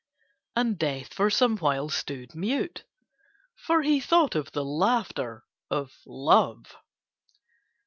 And Death for some while stood mute, for he thought of the laughter of Love.